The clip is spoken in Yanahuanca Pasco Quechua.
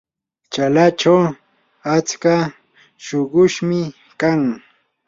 chalachaw atsa shuqushmi kan.